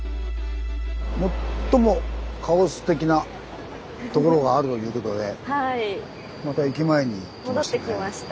最もカオス的なところがあるということでまた駅前に来ました。